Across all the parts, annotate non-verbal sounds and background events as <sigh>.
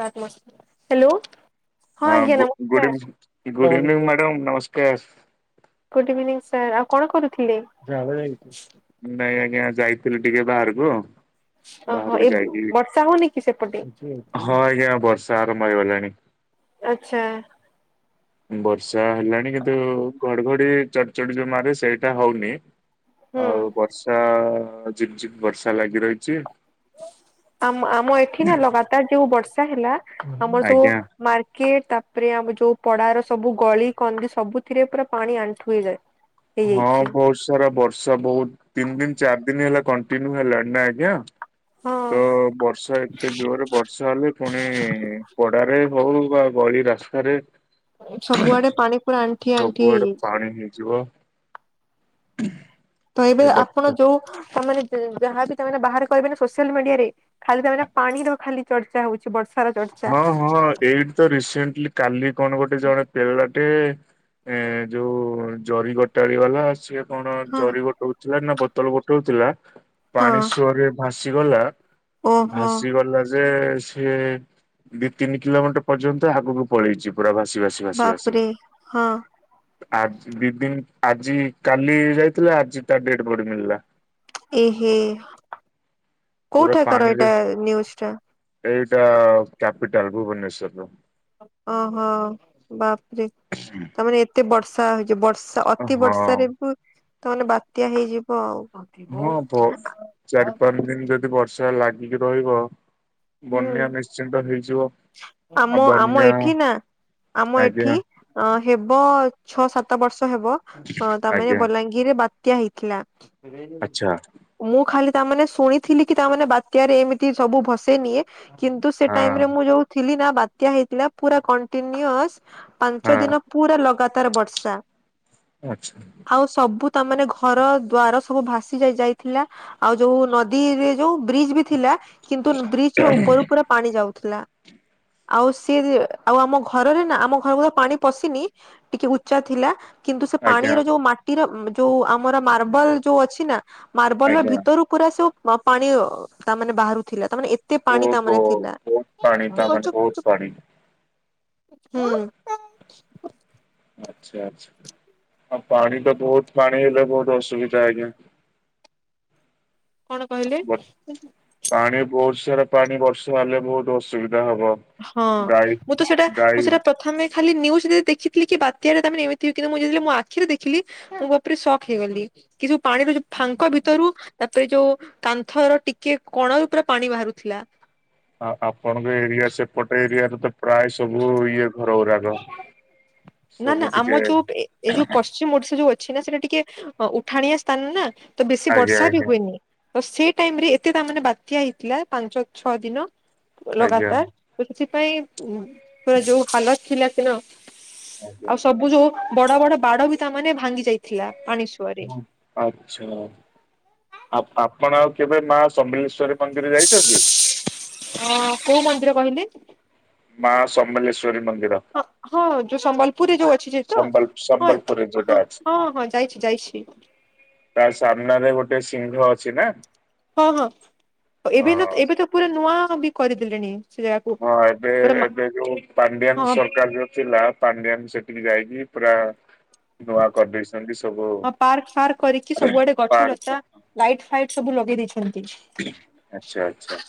ଚାଟ୍ ମସ ହ୍ୟାଲୋ। ହଁ ଆଜ୍ଞା ଗୁଡ଼ ଇଭିନ ନମସ୍କାର ଗୁଡ଼ ଇଭିନିଂ ମ୍ୟାଡ଼ାମ ନମସ୍କାର। ଗୁ୍ ଇଭିନିଂ ସାରେ ଆଉ କଣ କରୁଥିଲେ? ନାଇଁ ଆଜ୍ଞା ଯାଇଥିଲି ଟିକେ ବାହାରକୁ ଓହୋ ବାହାରକୁ ଏ ଯାଇକି ବର୍ଷା ହଉନି କି ସେପଟେ? ହଁ ଆଜ୍ଞା ବର୍ଷା ଆରମ୍ଭ ହେଇଗଲାଣି। ଆଛା। ବର୍ଷା ହେଲାଣି କିନ୍ତୁ ଘଡଘଡି ଚଢ ଚଢି ଯୁ ମାରେ ସେଇଟା ହଉନି। ହୁଁ ଆଉ ବର୍ଷା ଝିପ ଝିପ ବର୍ଷା ଲାଗି ରହିଛି। ଆମ ଆମ ଏଠି ନା ଲଗାତାର ଯୋଉ ବର୍ଷା ହେଲା ଆମର ସବୁ ଆଜ୍ଞା। ମାର୍କେଟ ତାପରେ ଆମ ଯୋଉ ପଡାର ସବୁ ଗଳି କନ୍ଦି ସବୁଥିରେ ପୁରା ପାଣି ଆଣ୍ଠୁ ହେଇଯାଏ। ହଁ ହେଇଯାଇଛି। ବହୁତୁ ସାରା ବର୍ଷା ବହୁତ ତିନି ଦିନ ଚାରି ଦିନ ହେଲା କଣ୍ଟିନ୍ୟୁ ହେଲାଣି ନା ଆଜ୍ଞା। ହଁ ତ ବର୍ଷା ଏତେ ଜୋରରେ ବର୍ଷା ହେଲେ ପୁଣି ପଡାରେ ହଉ ବା ଗଳି ରାସ୍ତାରେ ସବୁଆଡେ ପାଣି ପୁରା ଆଣ୍ଠିଏ ଆଣ୍ଠିଏ ସବୁଆଡେ ହେଇଯାଇଛି। ପାଣି ହେଇଯିବ। ହ ତ ଏବେ ଆପଣ ଯୋଉ ତା ମାନେ ଯାହାବି ତାମାନେ ବାହାରେ କହିବେ ନା ସୋସିଆଲ ମିଡିଆରେ ଖାଲି ତାମାନେ ପାଣିର ଖାଲି ଚର୍ଚ୍ଚା ହଉଛି ବର୍ଷା ହଁ ହଁ ଏଇଟି ତ ରିସେଣ୍ଟଲି କାଲି କଣ ଗୋଟେ ଜଣେ ପେରଳାଟେ ଏ ଯୋଉ ଜରି ଗୋଟାଳି ବାଲା ସେ କଣ ହଁ ଜରି ଗୋଟଉଥିଲା ନା ବୋତଲ ଗୋଟଉଥିଲା ହଁ। ପାଣି ଶୁଅ ରେ ଭାଷ ଚିଗଲା ଓହୋ ଭାସିଗଲା ଯେ ସିଏ ଦି ତିନି କିଲୋମିଟର ପର୍ଯ୍ୟନ୍ତ ଆଗକୁ ପଳେଇଛି ପୁରା ଭାସି ଭାସି ଭାସି ଭାସି ବାପରେ ହଁ ଆ ଦି ଦିନ ଆଜି କାଲି ଯାଇଥିଲା ଆଜି ତା ଡେଡ ବଡି ମିଳିଲା। ଏହେ ପୁରା କୋଉଠାକାର ପାଣିରେ ଏଇଟା ନ୍ୟୁଜୁ ଟା? ଏଇଟା କ୍ୟାପିଟାଲ ଭୁବନେଶ୍ଵର ର। ଓହୋ ବାପରେ ତାମାନେ ଏତେ ବର୍ଷା ହଇଛ ବର୍ଷ ତ ଅତି ବର୍ଷାରେ ହଁ ବି ତା ମାନେ ବାତ୍ୟା ହେଇଯିବ ଆଉ। ହଁ ବ ଚାରି ପାଞ୍ଚ ଦିନ ଯଦି ବର୍ଷା ଲାଗିକି ରହିବ ହୁଁ ବନ୍ୟା ନିଶ୍ଚିନ୍ତ ହେଇଯିବ। ଆଉ ଆମ ଆମ ବନ୍ୟା ଏଠି ନା ଆମ ଆଜ୍ଞା ଏଠି ଏ ହେବ ଛଅ ସାତ ବର୍ଷ ହେବ ଅ ତାମାନେ ଆଜ୍ଞା ବଲାଙ୍ଗୀ ଇଏରେ ବାତ୍ୟା ହେଇଥିଲା। ଆଚ୍ଛା ମୁଁ ଖାଲି ତା ମାନେ ଶୁଣିଥିଲି କି ତା ମାନେ ବାତ୍ୟାରେ ଏମିତି ସବୁ ଭସେଇ ନିିଏ। କିନ୍ତୁ ସେ ଟାଇମ୍ ହଁ ରେ ମୁଁ ଯୋଉ ଥିଲି ନା ବାତ୍ୟା ହେଇଥିଲା ପୁରା କଣ୍ଟିନ୍ୟିସ୍ ପାଞ୍ଚ ହଁ ଦିନ ପୁରା ଲଗାତାର ବର୍ଷା। ଆଚ୍ଛା। ଆଉ ସବୁ ତା ମାନେ ଘର ଦ୍ଵାର ସବୁ ଭାସି ଯାଇ ଯାଇଥିଲା। ଆଉ ଯୋଉ ନଦୀରେ ଯୋଉ ବ୍ରିଜ ବି ଥିଲା କିନ୍ତୁ ବ୍ରିଜର ଉପରୁ ପୁରା ପାଣି ଯାଉଥିଲା। ଆଉ ସିଏ ଆଉ ଆମ ଘରରେ ନା ଆମ ଘରକୁ ତ ପାଣି ପଶିନି ଟିକେ ଉଚ୍ଚା ଥିଲା। କିନ୍ତୁ ସେ ଆଜ୍ଞା ପାଣିର ଯୋଉ ମାଟିର ଯୋଉ ଆମର ମାର୍ବଲ ଯୋଉ ଅଛି ନା ମାର୍ବଲର ଆଜ୍ଞା ଭିତରୁ ପୁରା ସବୁ ପାଣିଓ ତା ମାନେ ବାହାରୁଥିଲା ତା ମାନେ ଏତେ ପାଣି ଓହୋ ତା ମାନେ ଥିଲା। ବହୁତ ପାଣି ତା ମାନେ ବହୁତ ପାଣି ହୁଁ। ଆଚ୍ଛା ଆଚ୍ଛା ଆଉ ପାଣି ତ ବୋହୁତ ପାଣି ହେଲେ ବୋହୁତ ଅସୁବିଧା ଆଜ୍ଞା। କଣ କହିଲେ? ବ- ପାଣି ବୋହୁତ ସାରା ପାଣି ବର୍ଷା ହେଲେ ବୋହୁତ ଅସୁବିଧା ହବ। ହଁ ଗାଈ ମୁଁ ତ ସେଟା ଗାଈ ମୁଁ ସେଟା ପ୍ର ପ୍ରଥମେ ଖାଲି ନିଉଜ ଦେଖିଥିଲି କି ବାତ୍ୟାରେ ତା ମାନେ ଏମିତି କିନ୍ତୁ ମୁଁ ଯେତେବେଳେ ମୁଁ ଆଖିରେ ଦେଖିଲି। ମୁଁ <unintelligible> ଶକ ହେଇଗଲି କି ଯୋଉ ପାଣିର ମୋ ଫାଙ୍କ ଭିତରୁ ତାପରେ ଯୋଉ କାନ୍ଥର ଟିକେ କଣରୁ ପୁରା ପାଣି ବାହାରୁଥିଲା। ଆ ଆପଣଙ୍କ ଏରିଆ ସେପଟେ ଏରିଆରେ ତ ପ୍ରାୟ ସବୁ ଇଏ ଘର ଗୁରାଗ ସବୁ ଟିକେ ଅଛି ମୋର ସେ ଯୋଉ ଅଛି ନା ସେଟା ଟିକେ ଉଠାଣିଆ ସ୍ଥାନ ନା ତ ବେଶୀ ଆଜ୍ଞା ବର୍ଷା ବି ଆଜ୍ଞା। ହୁଏନି। ତ ସେଇ ଟାଇମ୍ ରେ ଏତେ ତା ମାନେ ବାତ୍ୟା ହେଇଥିଲା ପାଞ୍ଚ ଛଅ ଦିନ ଆଜ୍ଞା ଲଗାତାର ତ ସେଥିପାଇଁ ପୁରା ଯୋଉ ହାଲତ ଥିଲା ସେନ। ଆଜ୍ଞା। ସବୁ ଯୋଉ ବଡ ବଡ ବାଡ ବି ତାମାନେ ଭାଙ୍ଗି ଯାଇଥିଲା ପାଣି ସୁଅରେ। ଆଚ୍ଛା ଆଉ ଆପଣ ଆଉ କେବେ ମା ସମଲେଶ୍ୱରୀ ମନ୍ଦିର ଯାଇଚନ୍ତି। ହଁ। କୋଉ ମନ୍ଦିର କହିଲେ? ମା ସମଲେଶ୍ଵରୀ ମନ୍ଦିର। ଅ ହଁ ଯୋଉ ସମ୍ବଲପୁରି ଯୋଉ ଏ <unintelligible> ତ ସମ୍ବଲ ହଁ ସମ୍ବଲପୁରରେ ଯୋଉଟା ଅଛି। ହଁ ହଁ ଯାଇଚି ଯାଇଚି। ତା ସାମ୍ନ ରେ ଗୋଟେ ସିଂହ ଅଛି ନା। ହଁ ହଁ ହଁ ଏବେ ନା ଏବେ ତ ପୁରା ନୂଆ ବି କରିଦେଲେଣି। ସେ ଜାଗାକୁ ହଁ ଏବେ ପୁରା ମା ଏବେ ଯୋଉ ପାଣ୍ଡିଆାନ ହଁ ସରକାର ଯୋଉ ଥିଲା। ପାଣ୍ଡିଆନ ସେଠିକି ଯାଇକି ପୁରା ନୂଆ କରିଦେଇଚନ୍ତି ସବୁ। ହଁ ପାର୍କ ଫାର୍କ କରିକି ସବୁଆଡେ ଗଛ ପାର୍କ ଲତା ଲାଇଟ ଫାଇଟ ସବୁ ଲଗେଇ ଦେଇଛନ୍ତି। ଆଚ୍ଛା ଆଚ୍ଛା।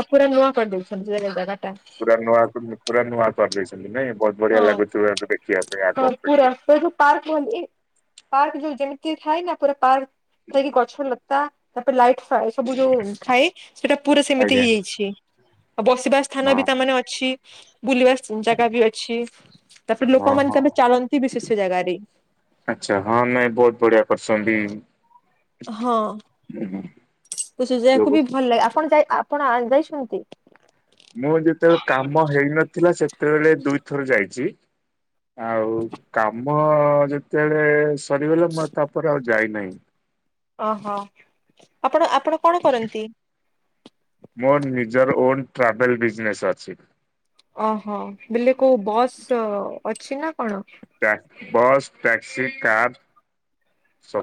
ଆଉ ପୁରା ନୂଆ କରିଦେଇଛନ୍ତିୁ ଜାଗାଟା। ପୁର ନୂଆ ପୁରା ନୂଆ କରି ଦେଇଛନ୍ତି ନାଇଁ ବଡ ବଢିଆ ହଁ ଲାଗୁଚି। <unintelligible> ପାର୍କ କୁହନ୍ତି ପାର୍କ ଯୋଉ ଯେମିତି ଥାଏ ନା ପୁରା ପାର୍କ ଥାଇକି ଗଛ ଲତା। ତାପରେ ଲାଇଟି ଫାଇ ସବୁ ଯୋଉ ଥାଏ ସେଟା ପୁରା ସେମିତି ଆଜ୍ଞା ହେଇଯାଇଚି ଆଉ ବସିବା ସ୍ଥାନ ବି ହଁ ତାମାନେ ଅଛି ବୁଲିବା ଜାଗା ବି ଅଛି। ଲୋକ ହଁ ମାନ ହଁ। କେବେ ଚାଲନ୍ତି ବି ସେ ସେ ଜାଗାରେ। ଆଚ୍ଛା ହଁ ନାଇଁ ବୋହୁତ ବଢିଆ କରିଚନ୍ତି। ହଁ <unintelligible> ଯୋଗ। ବି ଭଲ ଲାଗେ ଆପଣ ଯାଇ ଆପଣ ଆ ଯାଇଚନ୍ତି? ମୁଁ ଯେତେବେଳେ କାମ ହେଇନଥିଲା ସେତେବେଳେ ଦୁଇଥର ଯାଇଚି। ଆଉ କାମ ଯେତେବେଳେ ସରିଗଲା। ମୁଁ ଆଉ ତାପରେ ଆଉ ଯାଇନାହିଁ। ଓହୋ ଆପଣ ଆପଣ କଣ କରନ୍ତି? ମୋର ନିଜର ଓନ୍ ଟ୍ରାଭେଲ ବିଜନେସ ଅଛି। ଓହୋ ବେଲେ କୋଉ ବସ୍ ଅଛି ନା କଣ? ଟ୍ୟା ବସ୍, ଟ୍ୟାକ୍ସି, କାର୍।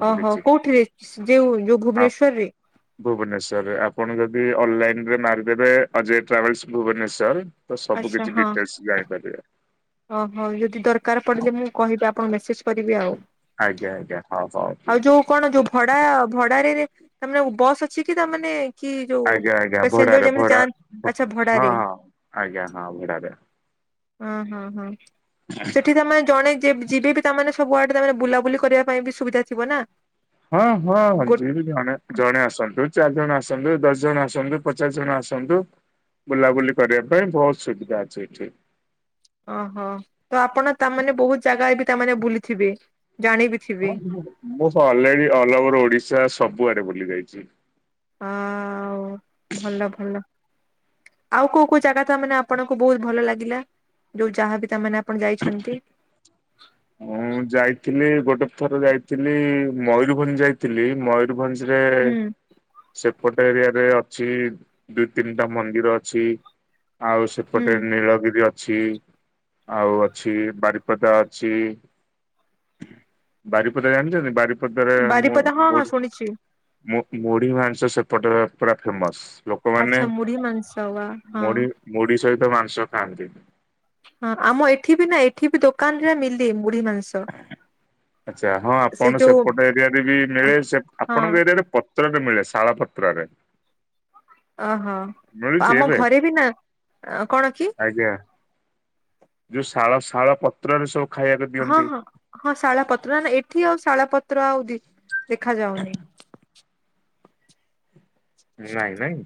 ଓହୋ କୋଉଠିରେ ଯେଉ ଯୋଉ ଆ ଭୁବନେଶ୍ୱର ରେ? ଭୁବନେଶ୍ଵରରେ ଆପଣ ଯଦି ଅନଲାଇନରେ ମାରିଦେବେ ଅଜୟ ଟ୍ରାଭେଲସ ଭୁବନେଶ୍ଵର। ତ ସବୁ କିଛି ଡିଟେଲସ ଜାଣିପାରିବେ। ଅ ହଉ ଯଦି ଦରକାର ପଡ଼ିଲେ ମୁଁ କହିବି ଆପଣକୁ ମେସେଜ କରିବି ଆଉ। ଆଜ୍ଞା ଆଜ୍ଞା ହଉ ଆଉ ହଉ। ଯୋଉ କଣ ଯୋଉ ଭଡା ଭଡ଼ା ରେ ରେ ତାମାନେ ବସ୍ ଅଛି କି ତାମାନେ। କି ଯୋଉ ଆଜ୍ଞା ଆଜ୍ଞା ପେସେଞ୍ଜର ଭଡାରେ ଯେମିତି ଭଡା ଯାଆଁ ଆଚ୍ଛା ହଁ ଭଡାରେ। ହଁ ଆଜ୍ଞା ହଁ ଭଡାରେ। ଓ ହଁ ହଁ ସେଠି ତାମାନେ ଜଣେ ଯେ ଯିବେ ବି ତାମାନେ ସବୁଆଡେ ତା ମାନେ ବୁଲାବୁଲି କରିବା ପାଇଁ ବି ସୁବିଧା ଥିବ ନା। ହଁ ହଁ ଗୋ ଯେମିତି ଜଣେ ଜଣେ ଆସନ୍ତୁ ଚାରି ଜଣ ଆସନ୍ତୁ ଦଶ ଜଣ ଆସନ୍ତୁ ପଚାଶ ଜଣ ଆସନ୍ତୁ। ବୁଲାବୁଲି କରିବା ପାଇଁ ବହୁତ ସୁବିଧା ଅଛି ଏଠି। ଓହୋ ତ ଆପଣ ତାମାନେ ବହୁତ ଜାଗା ବି ତାମାନେ ବୁଲିଥିବେ ଜାଣିବି ଥିବେ। ହଁ ମୁଁ ମୁଁ ତ ଅଲରେଡି ଅଲ ଓଭର ଓଡିଶା ସବୁଆଡେ ବୁଲି ଯାଇଛି। ଆଉ ଭଲ ଭଲ। ଆଉ କୋଉ କୋଉ ଜାଗା ତ ମାନେ ଆପଣଙ୍କୁ ବହୁତ ଭଲ ଲାଗିଲା ଯୋଉ ଯାହା ବି ତାମାନେ ଆପଣ ଯାଇଛନ୍ତି? ମୁଁ ଯାଇଥିଲି ଗୋଟେ ଥର ଯାଇଥିଲି ମୟୂରଭଞ୍ଜ ଯାଇଥିଲି ମୟୁ ୟୂରଭଞ୍ଜ ରେ। ହୁଁ ସେପଟ ଏରିଆରେ ଅଛି ଦି ତିନିଟା ମନ୍ଦିର ଅଛି। ଆଉ ହୁଁ ସେପଟେ ନୀଳଗିରି ଅଛି ଆଉ ଅଛି ବାରିପଦା ଅ ଛି ବାରିପଦା ଜାଣିଛନ୍ତି ବାରି ପଦରେ ମୁ ବାରିପଦା ହଁ ହଁ ମୁଢ଼ି। ଶୁଣିଛି ମୁ-ମୁଢି ମାଂସ ସେପଟେ ପୁରା ଫେମସ ଲୋ ଆଚ୍ଛା ମୁଢି ମାଂସ ୱା ହଁ। ମୁଢି ସହିତ ମାଂସ ଖାଆନ୍ତି ବି। ହଁ ଆମ ଏଠି ବି ନା ଏଠି ବି ଦୋକାନରେ ମିଲି ମୁଢୀ ମାସ ଆଚ୍ଛା ହଁ ଆପଣ ଯୋଉ ସେପଟ ଏରିଆରେ ବି ମିଳେ ସେ ହଁ ଆପଣଙ୍କ ଏରିଆରେ ପ ପତ୍ରରେ ମିଳେ ଶାଳ ପତ୍ରରେ। ଓହୋ ମିଳୁଛି ଆମ ଏବେ ଘରେ ବି ନା ଆ କଣ କି। ଆଜ୍ଞା ଯୋଉ ଶାଳ ଶାଳ ପତ୍ରରେ ସବୁ ଖାଇବାକୁ ହଁ ଦିଅନ୍ତି। ହଁ ହଁ ଶାଳ ପତ୍ର ନା ଏଠି ଆଉ ଶାଳପତ୍ର ଆଉ ଦି ଦେଖାଯାଉନି। ନାଇଁ ନାଇଁ।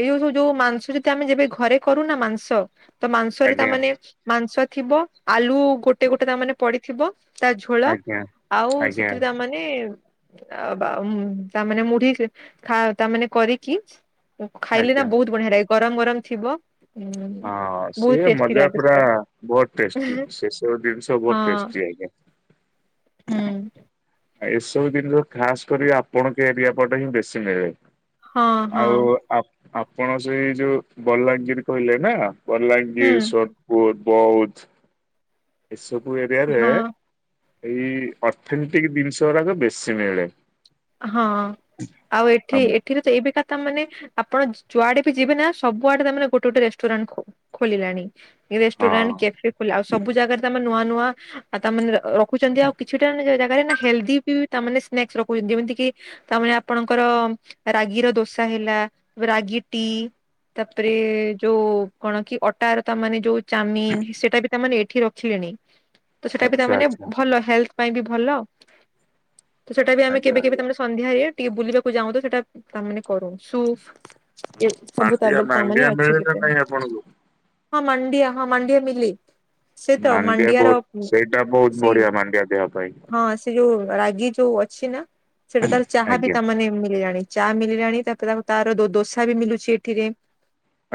ଏଇ ଯୋଉ ସବୁ ଯୋଉ ମାଂସ ଯଦି ଆମେ ଯେବେ ଘରେ କରୁନା ମାଂସ ତ ମାଂସରେ ଆଜ୍ଞା ତାମାନେ। ମାଂସ ଥିବ ଆଲୁ ଗୋଟେ ଗୋଟେ ତା ମାନେ ପଡିଥିବ। ତା ଝୋଳ ଆଜ୍ଞା ଆଉ ଆଜ୍ଞା ସେଥିରେ ତାମାନେ। ଆ ବା ଉଁ ତାମାନେ ମୁଢି ସେ ଖା ତାମାନେ କରିକି। ଉଁ ଖାଇଲେ ନା ଆଜ୍ଞା। ବହୁତ ବଢିଆ ଲାଗେ ଗରମ ଗରମ ଥିବ। ହୁଁ ହଁ ସେ ବହୁତ ଟେଷ୍ଟି ମଜା ଲାଗେ ପୁରା ସେଟା ବହୁତ ଟେଷ୍ଟି ସେ ସବୁ ଜିନିଷ ବହୁତ ହଁ ଟେଷ୍ଟି ଆଜ୍ଞା। ହୁଁ। ଆ ଏସବୁ ଜିନିଷ ଖାସ କରି ଆପଣଙ୍କ ଏରିଆ ପଟେ ହିଁ ବେଶୀ ମିଳେ। ହଁ ଆଉ ହଁ ଆ-ଆପଣ ସେଇ ଯୋଉ ବଲାଙ୍ଗିର କହିଲେ ନା। ହୁଁ ବଲାଙ୍ଗୀର, ସୋନପୁର, ବୌଧ ଏସବୁ ଏରିଆରେ। ହଁ ଏଇ ଅର୍ଥନିଟିକି ଜିନିଷ ଗୁରାକ ବେଶୀ ମିଳେ। ହଁ ଆଉ ଏଠି ଏ ଆମ୍ ହଁ ଏଠି ରେ ତ ଏବେ କା ତା ମାନେ ଆପଣ ଯୁ-ଯୁଆଡେ ବି ଯିବେ ନା ସବୁଆଡେ ତାମାନେ ଗୋଟେ ଗୋଟେ ରେଷ୍ଟୁରାଣ୍ଟ ଖୋ ଖୋଲିଲାଣି ରେଷ୍ଟୁରାଣ୍ଟ କ୍ୟାଫେ ଖୋଲା ଆଉ ସବୁ ଜାଗାରେ ତମେ ନୂଆ ନୂଆ। ଆଉ ତାମାନେ ର-ରଖୁଛନ୍ତି ଆଉ କିଛିଟା ଖଣ୍ଡେ ଜା-ଜାଗାରେ ନା ହେଲଦି ବି ତାମାନେ ସ୍ନାକ୍ସ ରଖୁଛନ୍ତି ଯେମିତି କିି। ତାମାନେ ଆପଣଙ୍କର ରାଗିର ଦୋସା ହେଲା ରାଗି ଟି ତାପରେ ଯୋଉ କଣ କି ଅଟାର ତାମାନେ ଯୋଉ ଚାମିନ ସେଟା ବି ତାମାନେ ଏଠି ରଖିଲେ। ହ ତ ସେଟା ବି ତାମାନେ ଭଲ ହେଲଥ ପାଇଁ ବି ଭଲ ତ ସେଟା ବି ଆମେ ଆଜ୍ଞା କେବେ କେବେ ସନ୍ଧ୍ୟାରେ ଟିକେ ବୁଲିବାକୁ ଯାଉ ତ ସେଟା ତାମାନେ କରୁ ସୁ ଏ ସବୁ ତା ଆଜ୍ଞା ମାଣ୍ଡିଆ ତାମାନେ ମାଣ୍ଡିଆ ଅଛି ମିଳେ ନା ସେଟାରେ। ନାଇଁ ଆପଣଙ୍କୁ? ହଁ ମଣ୍ଡିଅ ହଁ ମଣ୍ଡିଅ ମିିଲି। ସେ ତ ମାଣ୍ଡିଆ ମାଣ୍ଡିଆର ବହୁତ ପୁ ସେଇଟା ବହୁତ ସେଇ ବଢିଆ ମାଣ୍ଡିଆ ଦେହ ପାଇଁ ହଁ। ସେ ଯୋଉ ରାଗି ଯୋଉ ଅଛି ନା ସେଟା ତାର ଚାହା ବି ଆଜ୍ଞା ତାମାନେ ମିିଲିଜା ଚା ମଳିଲାଣି ତାପରେ ତା ଆମେ ତାର ଦୋ ଦୋସା ବି ମିଲୁଛି ଏଠିରେ।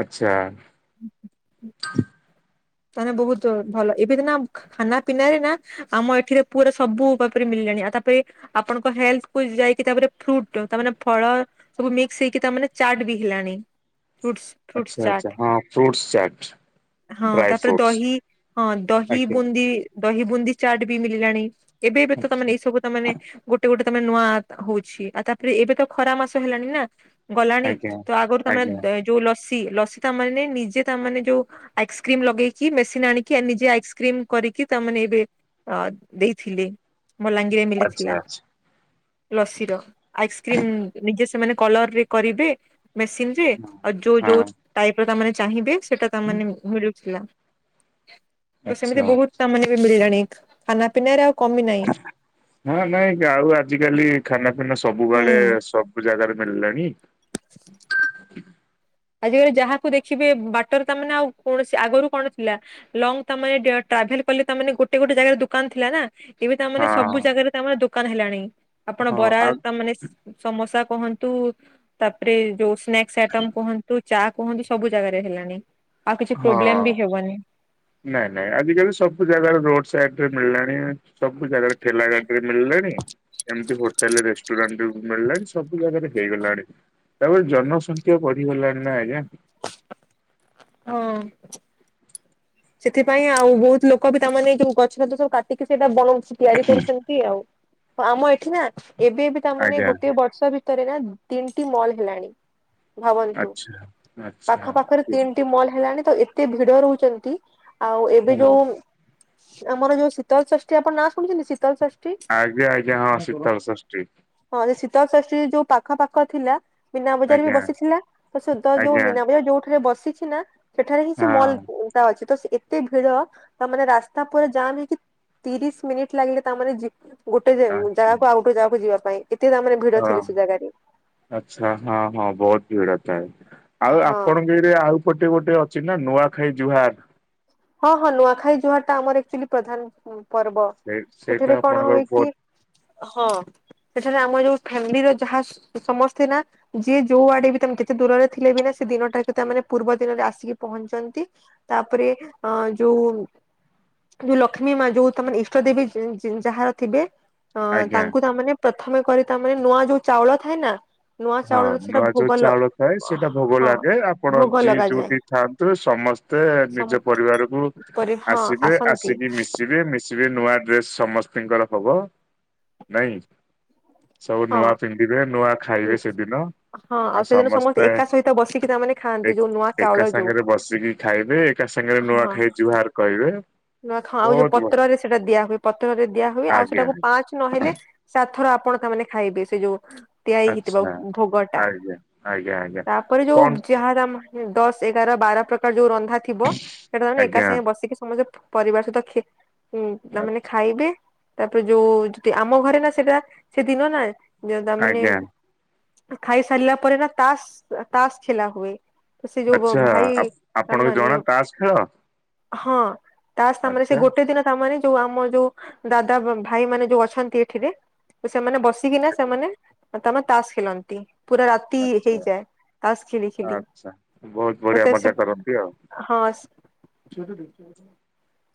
ଆଛା। ତାରେ ବୋହୁତ ଭଲ ଏବେ ଦିନ ଖାନା ପିନା ଦିନା ଆମ ଏଠିରେ ପୁରା ସବୁ <unintelligible> ମିଳିଲାଣି ଆଉ ତାପରେ ଆପଣଙ୍କ ହେଲଥକୁୁ ଯାଇକି ତାପରେ ଫ୍ରୁଟ ତାମାନେ ଫଳ ସବୁ ମିକ୍ସ ହେଇକି ତାମାନେ ଚାଟ୍ ବି ହେଲାନି ଫ୍ରୁଟ ଆଛା ଆଛା ହଁ ଫ୍ରୁଟସ ଚାଟ ହଁ ଡ୍ରାଏ ତାପରେ ଦହି ହଁ ଦହି ବୁନ୍ଦି ଦହି ବୁନ୍ଦି ଚାଟ ବି ମଳିଲାଣି। ଏବେ ଏବେ ତ ତମେ ଆଚ୍ଛା ନେଇ ତାମାନେ ଗୋଟେ ଗୋଟେ ତମେ ନୂଆ ହଉଛି ଆଉ ତାପରେ ଏବେ ତ ଖରା ମାସ ହେଲାଣି ନା। ଗଲାଣି ଆଜ୍ଞା। ତ ଆଗରୁ ତମେ ଆଜ୍ଞା ଦେ ଯୋଉ ଲସି ଲସି ତାମାନେ ନିଜେ ତାମାନେ ଯୋଉ ଆଇସ୍କ୍ରିମ ଲଗେଇ ଚି ମେସିନ୍ ଆଣିକି ନିଜେ ଆଇସ୍କ୍ରିମ କରିକି ତାମାନେ ଏବେ ଅ ଦେଇଥିଲେ। ମଲାଙ୍ଗିରେ ଆଚ୍ଛା ମିଲିଥିଲା। ଆଚ୍ଛା ଲସି ର ଆଇସ୍କ୍ରିମ ନିଜେ ସେମାନେ କଲରରେ କରିବେ। ମେସିନ ରେ ଆଉ ଯୋଉ ହଁ ଯୋଉ ଟାଇପ ର ତାମାନେ ଚାହିଁବେ ସେଟା ତାମାନେ ମିଳୁଥିଲା। ତ ସେମିତି ଆଚ୍ଛା। ବହୁତ ତାମାନେ ବି ମିଳିଲାଣି ଖାନା ପିିନାରେ ଆଉ କମି ନାଇ। ହ ନାଇଁ ଯାଉ ଆଜିିକାଲି ଖାନା ପିନା ସବୁବେଳେ ହୁଁ। ସବୁ ଜାଗାରେ ମେଲଣି ଆଜିକାଲି ଯାହାକୁ ଦେଖିବେ ବାଟରେ ତା ମାନ ଆଉ କୌଣସି ଆଗୁରୁ କଣ ଥିଲା ଲଙ୍ଗ ତା ମାନେ ଟ୍ରାଭେଲ କଲେ ତା ମାନେ ଗୋଟେ ଗୋଟେ ଜାଗାରେ ଦୋକାନ ଥିଲା ନା। ଏବେ ତାମାନେ ସବୁ ହଁ ଜାଗାରେ ତାମାନେ ଦୋକାନ ହେଲାଣି ଆପଣ ହଁ ବରା ଆଉ ତା ମାନେ ସ୍ ସମୋସା କୁହନ୍ତୁ ତାପରେ ଯୋଉ ସ୍ନାକ୍ସ ଆଇଟମ କୁହ ଚା କୁହନ୍ତି ସବୁ ଜାଗାରେ ହେଲାଣି ଆଉ କିଛି ହଁ। ପ୍ରୋବ୍ଲେମ ବି ହେବନି। ନାଇଁ ନାଇଁ ଆଜିକାଲି ସବୁ ଜାଗାରେ ରୋଡ ସାଇଡ଼ରେ ମିଳିଲାଣି। ସବୁ ଜାଗାରେ ଠେଲା ଗାଡିରେ ମିଳିଲାଣି। ଏମିତି ହୋଟେଲ ରେଷ୍ଟୁରାଣ୍ଟ ମିଳିଲାଣି ସବୁ ଜାଗାରେ ହେଇଗଲାଣି। ତାପରେ ଜନସଂଖ୍ୟା ବଢିଗଲାଣି ନା ଆଜ୍ଞା। ହଁ। ସେଥିପାଇଁ ଆଉ ବହୁତ ଲୋକ ବି ତାମାନେ ଏଇ ଯୋଉ ଗଛ ଫଛ ସବୁ କାଟିକି ସେଇଟା ବନାଉଛି ତିଆରି କରୁଛନ ତି ଆଉ ଆମ ଏଠି ନା ଏବେ ବି ତାମାନେ ଆଜ୍ଞା ଗୋଟେ ବ ଷ ଭିତରେ ନା ତିନଟି ମଲ୍ ହେଲାଣି। ଭାବନ୍ତୁ ଆଚ୍ଛା ଆଚ୍ଛା ପାଖ ପାଖରେ ତିନଟି ମଲ ହେଲାଣି ତ ଏତେ ଭିଡ ରହୁଚନ୍ତି ଆଉ ଏବେ ହଁ। ଯୋଉ ଆମର ଯୋଉ ଶୀତଳଷଷ୍ଠୀ ଆପଣ ନା ଶୁଣିୁଛନ୍ତି ଶୀତଳ ଷଷ ଆଜ୍ଞା ଆଜ୍ଞା ହଁ ଶୀତଳଷଷ୍ଠୀ। ହଁ ଯେ ଶୀତଳଷଷ୍ଠୀ ଯୋଉ ପାଖ ପାଖ ଥିଲା ମୀନା ବଜାର ବି ଆଜ୍ଞା ବସିଥିଲା ତ ସୁଧ ଯୋଉ ଆଜ୍ଞା ମୀନା ବଜାର ଯୋଉଠାରେ ବସିଛି ନା ସେଠାରେ ହିଁ ସେ ମଲ ହଁ ଟା ଅଛି। ତ ସେ ଏତେ ଭିଡ ତାମାନେ ରାସ୍ତା ପୁରା ଯାମ ହେଇକି ତିରିଶ ମିନିଟ ଲାଗିଲା ତାମାନେ ଯି ଗୋଟେ ଯେ ଆଚ୍ଛା। ଜାଗାକୁ ଆଉ ଗୋଟେ ଜାଗାକୁ ଯିବା ପାଇଁ ଏତେ ଦାମରେ ଭିଡ ଥିଲେ ସେ ଜାଗାରେ। ଆଛା ହଁ ହଁ ବହୁତ ଭିଡ ଥାଏ ଆଉ ହଁ ଆପଣଙ୍କୁ ଏ ଏବେ ଆଉପଟେ ଗୋଟେ ଅଛି ନା ନୂଆଖାଇ ଜୁହାର। ହଁ ହଁ। ନୂଆଖାଇ ଜୁହାରଟା ଆମର ଆକ୍ଚୁଆଲି ପ୍ରଧାନ ପର୍ବ। ସେ ସେଇଟା ସେଠାରେ କଣ ଆପଣଙ୍କର ହୁଏ କି ବହୁତ ହଁ, ସେଠାରେ ଆମ ଯୋଉ ଫ୍ୟାମିଲିର ଯାହା ସମସ୍ତେ ନା ଯିଏ ଯୋଉ ଆଡେ ବି ତମେ ଯେତେ ଦୂରରେ ଥିଲେ ବି ନା, ସେ ଦିନଟାକ ତାମାନେ ପୂର୍ବ ଦିନରେ ଆସିକି ପହଞ୍ଚନ୍ତି ତାପରେ ଅ ଯୋଉ ଯୋଉ ଲକ୍ଷ୍ମୀ ମା ଯୋଉ ତମର ଇଷ୍ଟ ଦେବୀ ଯାହାର ଥିବେ ଅ ଆଜ୍ଞା। ତାଙ୍କୁ ତାମାନେ ପ୍ରଥମେ କରି ତାମାନେ ନୂଆ ଯୋଉ ଚାଉଳ ଥାଏ ନା ନୂଆ ହଁ ଚାଉଳର ସେଟା ନୂଆ ଯୋଉ ଭୋଗ ଲ ଚାଉଳ ଥାଏ ସେଟା ଭୋଗ ହଁ ଲାଗେ, ଆପଣ ଭୋଗ ଯିଏ ଲଗାଯାଏ। ଯୋଉଠି ଥାଆ ତେବେ ସମସ୍ତେ ସମ ନିଜ ପରିବାରକୁ ପରେ ହଁ ଆସିବେ, ଆସନ୍ତି ଆସିକିରି ମିଶିବେ, ମିଶିବେ ନୂଆ ଡ୍ରେସ୍ ସମସ୍ତିଙ୍କର ହବ ନାଇଁ? ସବୁ ହଁ। ନୂଆ ପିନ୍ଧିବେ, ନୂଆ ଖାଇବେ ସେଦିନ। ହଁ ଆଉ ସେଦିନ ସମସ୍ତେ ଏକା ସହିତ ବସିକି ତାମାନେ ଖାଆନ୍ତି ଯୋଉ ନୂଆ ଚାଉଳ ଏକ-ଏକା ଯୋଉ ସାଙ୍ଗରେ ବସିକି ଖାଇବେ, ଏକା ସାଙ୍ଗରେ ହଁ। ନୂଆଖାଇ ଜୁହାର କହିବେ। ଆଉ ଯୋଉ ବହୁତ ପତ୍ରରେ ସେଇଟା ଦିଆ ହୁଏ, ପତ୍ରରେ ଦିଆ ହୁଏ ଆଉ ଆଜ୍ଞା ସେଟାକୁ ପାଞ୍ଚ ଆଜ୍ଞା। ନହେଲେ ଚାରିଥର ଆପଣ ତାମାନେ ଖାଇବେ, ସେ ଯୋଉ ତିଆରି ହେଇଥିବ ଆଚ୍ଛା ଭୋଗଟା। ଆଜ୍ଞା ଆଜ୍ଞା ଆଜ୍ଞା ତାପରେ ଯୋଉ କଣ ଯାହାର ଆମ ଦଶ ଏଗାର ବାର ପ୍ରକାର ଯୋଉ ରନ୍ଧା ଥିବ, ସେଇଟା ମାନେ ଏକା ଆଜ୍ଞା ସାଙ୍ଗେ ବସିକି ସମସ୍ତେ ପରିବାର ସହିତ ଖି ହୁଁ, ଆ- ତାମାନେ ଖାଇବେ ତାପରେ ଯୋଉ ଯଦି ଆମ ଘରେ ନା ସେଟା ସେଦିନ ନା ଯ ତା ମାନେ ଆଜ୍ଞା ଖାଇସାରିଲା ପରେ ନା ତାସ ତାସ ଖେଲା ହୁଏ। ତ ସେ ଯୋଉ ଆଚ୍ଛା ଭ-ଭାଇ ଆପ- ଆପଣଙ୍କୁ ତାମାନେ ଜଣା ତାସ ଖେଳ ହଁ। ତାସ ଆମର ସେ ଆଚ୍ଛା ଗୋଟେ ଦିନ ତାମାନେ ଯୋଉ ଆମ ଯୋଉ ଦାଦା ଭା-ଭାଇ ମାନେ ଯୋଉ ଅଛନ୍ତି ଏଠିରେ, ତ ସେମାନେ ବସି ବସିକିନା ଆଜ୍ଞା ସେମାନେ, ତାମାନ ତାସ ଖେଲନ୍ତି। ପୁରା ରାତି ଆଚ୍ଛା ହେଇଯାଏ ତାସ ଖେଲି ଖିଲି। ଆଚ୍ଛା ବହୁତ ବଢିଆ ତ ସେ ମଜା କରନ୍ତି ଆଉ। ହଁ।